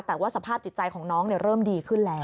แต่ว่าสภาพจิตใจของน้องเริ่มดีขึ้นแล้ว